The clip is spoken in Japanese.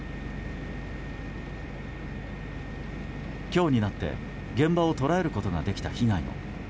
今日になって現場を捉えることができた被害も。